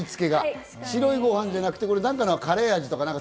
白いご飯じゃなくて中がカレー味とか。